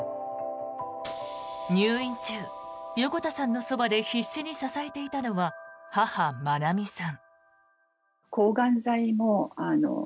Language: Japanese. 入院中、横田さんのそばで必死に支えていたのは母・まなみさん。